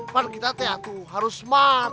pada kita tuh harus smart